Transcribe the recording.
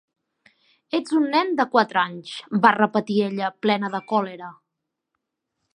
"Ets un nen de quatre anys", va repetir ella plena de còlera.